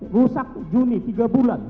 rusak juni tiga bulan